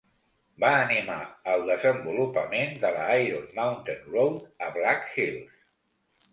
Va animar al desenvolupament de la Iron Mountain Road a Black Hills.